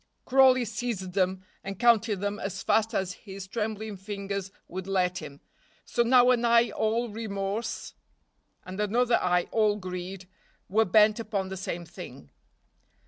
Crawley seized them and counted them as fast as his trembling fingers would let him. So now an eye all remorse, and another eye all greed, were bent upon the same thing.